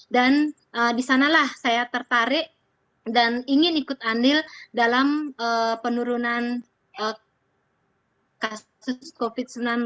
dan disanalah saya tertarik dan ingin ikut andil dalam penurunan kasus covid sembilan belas